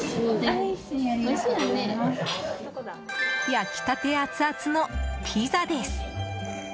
焼きたてアツアツのピザです。